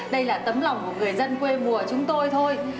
đây là tấm lòng của người dân quê mùa chúng tôi thôi